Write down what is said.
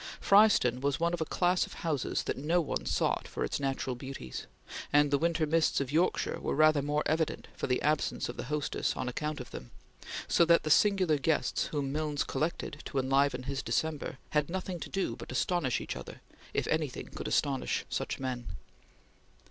Fryston was one of a class of houses that no one sought for its natural beauties, and the winter mists of Yorkshire were rather more evident for the absence of the hostess on account of them, so that the singular guests whom Milnes collected to enliven his December had nothing to do but astonish each other, if anything could astonish such men.